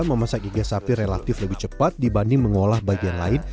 memasak iget sapi lebih cepat dibanding mengolah bagian lain